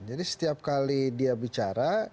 jadi setiap kali dia bicara